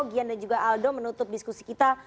gian dan juga aldo menutup diskusi kita